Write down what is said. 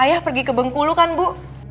ayah pergi ke bengkulu kan bu